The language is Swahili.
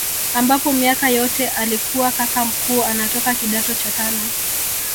Ambapo miaka yote alikuwa kaka mkuu anatoka kidato cha tano